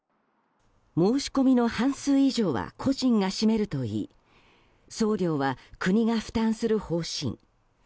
申し込みの半数以上は個人が占めるといい送料は国が負担する方針。